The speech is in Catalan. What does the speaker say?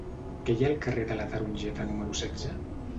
Què hi ha al carrer de la Tarongeta número setze?